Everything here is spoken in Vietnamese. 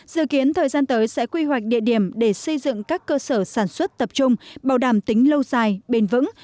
dự kiến thời gian tới sẽ quy hoạch địa điểm để xây dựng các cơ sở sản xuất tập trung bảo đảm tính lâu dài bền vững